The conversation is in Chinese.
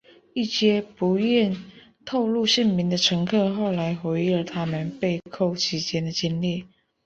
一些不愿透露姓名的乘客后来回忆了他们被扣期间的经历。